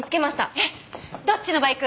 えっどっちのバイク？